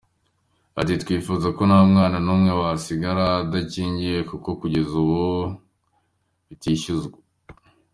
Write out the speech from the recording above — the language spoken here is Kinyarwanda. Ati “Twifuza ko nta mwana n’umwe wasigara adakingiwe kuko kugeza ubu bitishyuzwa.